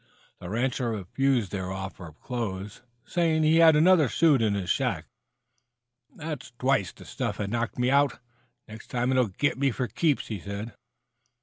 The rancher refused their offer of clothes, saying he had another suit in his shack. "That's twice the stuff has knocked me out. Next time it'll git me for keeps," he said.